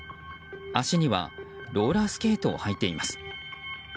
足にはローラースケートを履いています。